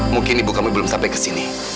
mungkin ibu kamu belum sampai kesini